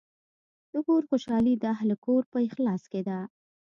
د کور خوشحالي د اهلِ کور په اخلاص کې ده.